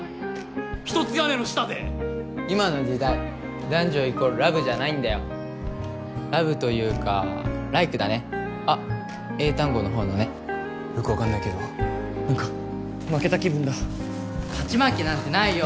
一つ屋根の下で今の時代男女イコールラブじゃないんだよラブというかライクだねあっ英単語の方のねよく分かんないけど何か負けた気分だ勝ち負けなんてないよ